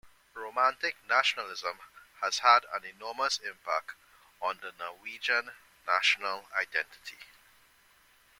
Romantic nationalism has had an enormous impact on the Norwegian national identity.